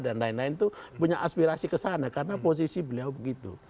dan lain lain itu punya aspirasi ke sana karena posisi beliau begitu